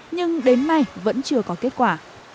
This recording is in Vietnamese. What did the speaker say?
nhưng đến mai vẫn chưa có kết quả